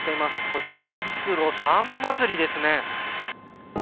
こちら目黒さんま祭ですね。